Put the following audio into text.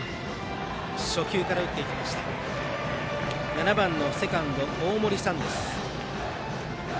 ７番のセカンド大森燦です。